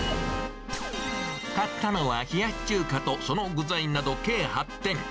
買ったのは、冷やし中華とその具材など計８点。